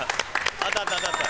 当たった当たった。